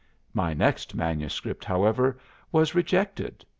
"My next manuscript, however, was rejected.